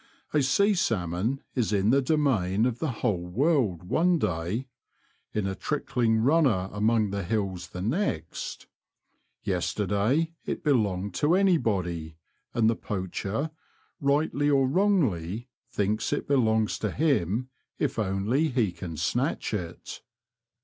A sea salmon is in the domain of the whole world one day ; in a trickling runner among the hills the next. Yesterday it belonged to anybody ; and the poacher, rightly or wrongly, thinks it belongs to him if only he can snatch it.